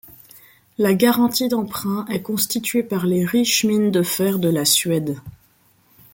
La garantie d'emprunt est constituée par les riches mines de fer de la Suède.